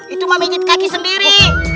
itu mah menjit kaki sendiri